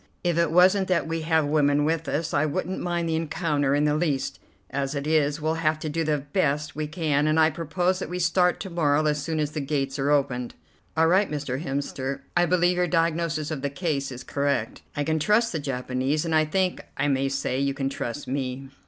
If it wasn't that we have women with us, I wouldn't mind the encounter in the least. As it is, we'll have to do the best we can, and I propose that we start to morrow as soon as the gates are opened." "All right, Mr. Hemster, I believe your diagnosis of the case is correct. I can trust the Japanese, and I think I may say you can trust me."